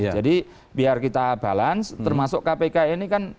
jadi biar kita balance termasuk kpk ini kan